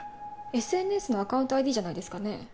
ＳＮＳのアカウントＩＤじゃないですかね？